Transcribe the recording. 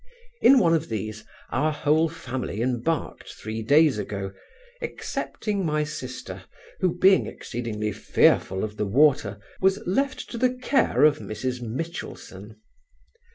In one of these our whole family embarked three days ago, excepting my sister, who, being exceedingly fearful of the water, was left to the care of Mrs Mitchelson.